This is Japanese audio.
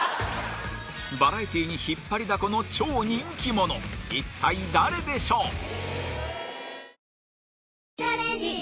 バラエティーに引っ張りだこの超人気者一体誰でしょう？